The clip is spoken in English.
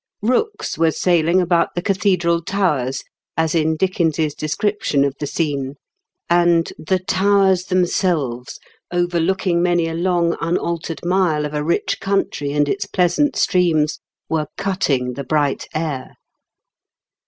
Rooks were sailing about the cathedral towers, as in Dickens's description of the scene; and "the towers 158 IN KENT WITH CHARLES DICKENS. themselves, overlooking many a long unaltered mile of a rich country and its pleasant streams, were cutting the bright air."